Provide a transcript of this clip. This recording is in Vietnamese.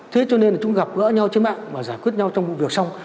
thế cho nên là chúng gặp gỡ nhau trên mạng mà giải quyết nhau trong vụ việc xong